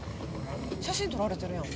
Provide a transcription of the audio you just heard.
写真撮られてるやん。